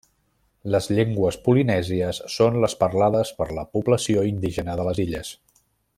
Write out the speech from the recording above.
Les llengües polinèsies són les parlades per la població indígena de les illes.